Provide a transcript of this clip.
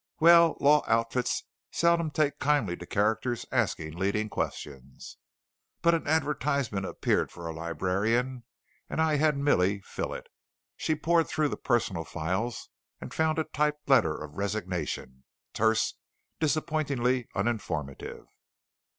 "Well, law outfits seldom take kindly to characters asking leading questions. But an advertisement appeared for a librarian and I had Milly fill it. She pored through the personnel files and found a typed letter of resignation. Terse; disappointingly uninformative."